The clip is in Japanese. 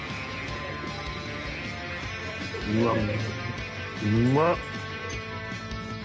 うわっうまっ！